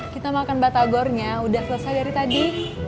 kita makan batagornya udah selesai dari tadi